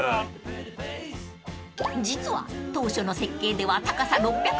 ［実は当初の設計では高さ６１０ｍ］